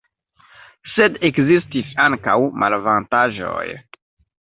Sed ekzistis ankaŭ malavantaĝoj.